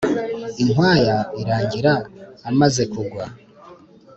Inkwaya irangira amaze kugwa.